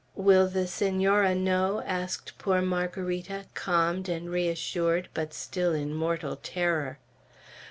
"Will the Senora know?" asked poor Margarita, calmed and reassured, but still in mortal terror.